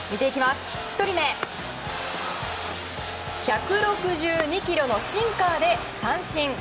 １人目１６２キロのシンカーで三振。